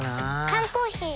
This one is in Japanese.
缶コーヒー